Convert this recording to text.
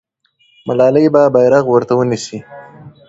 ملالۍ به بیرغ ورته ونیسي.